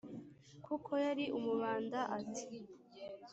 kuko yari umubanda; ati: